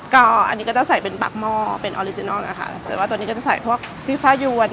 ก็อันนี้ก็จะใส่เป็นปากหม้อเป็นออริจินัลนะคะแต่ว่าตัวนี้ก็จะใส่พวกพิซซ่ายวน